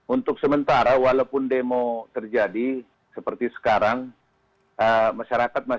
untuk sementara walaupun demo terjadi seperti sekarang